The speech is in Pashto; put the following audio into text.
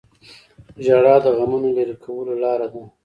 • ژړا د غمونو د لرې کولو لاره ده.